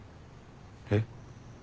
えっ？